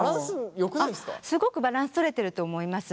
すごくバランスとれてると思います。